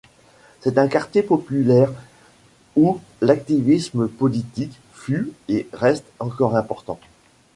C'est un quartier populaire où l'activisme politique fut et reste encore important.